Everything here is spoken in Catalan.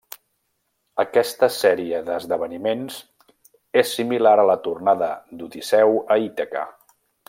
Aquesta sèrie d'esdeveniments és similar a la tornada d'Odisseu a Ítaca.